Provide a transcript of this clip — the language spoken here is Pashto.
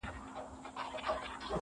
چي ياد پاته وي، ياد د نازولي زمانې.